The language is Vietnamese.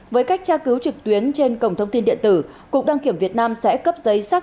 với cách tra cứu trực tuyến trên cổng thông tin điện tử cục đăng kiểm việt nam sẽ cấp giấy xác